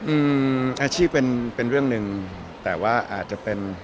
อืมอาชีพเป็นเป็นเรื่องหนึ่งแต่ว่าอาจจะเป็น